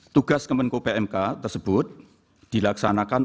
tugas kemenko pmk tersebut dilaksanakan